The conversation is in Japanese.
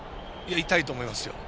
痛いと思いますよ。